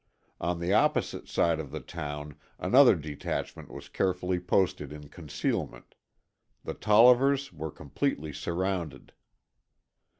On the opposite side of the town another detachment was carefully posted in concealment. The Tollivers were completely surrounded.